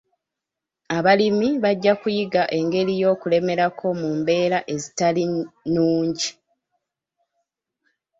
Abalimi bajja kuyiga engeri y'okulemerako mu mbeera ezitali nnungi.